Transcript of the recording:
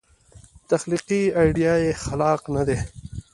تخلیقي ایډیا یې خلاق نه دی.